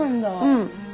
うん。